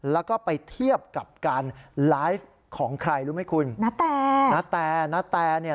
แล้วก็ไปเทียบกับการไลฟ์ของใครรู้ไหมคุณณแต่ณแต่ณแตเนี่ย